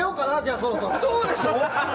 そうでしょ？